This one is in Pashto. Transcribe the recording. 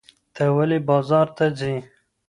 ته ولې بازار ته ځې؟